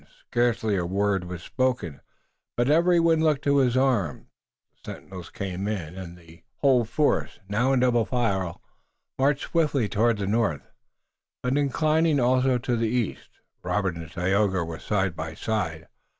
Scarcely a word was spoken, but everyone looked to his arms, the sentinels came in, and the whole force, now in double file, marched swiftly toward the north, but inclining also to the east. Robert and Tayoga were side by side.